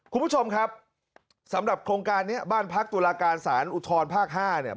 คุณผู้ชมครับสำหรับโครงการนี้บ้านพักตุลาการสารอุทธรภาค๕เนี่ย